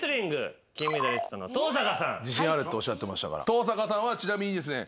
登坂さんはちなみにですね。